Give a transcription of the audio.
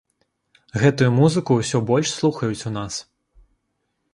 Гэтую музыку ўсё больш слухаюць у нас.